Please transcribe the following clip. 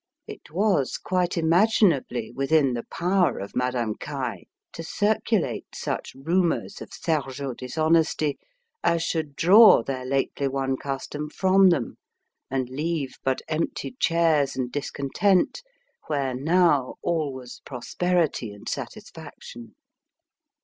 It was quite imaginably within the power of Madame Caille to circulate such rumours of Sergeot dishonesty as should draw their lately won custom from them and leave but empty chairs and discontent where now all was prosperity and satisfaction.